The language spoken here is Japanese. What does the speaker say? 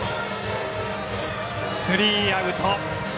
スリーアウト。